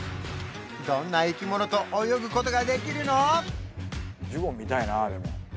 どんな生き物と泳ぐことができるの？